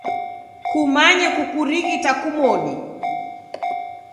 Kumanye kukurighita kumoni.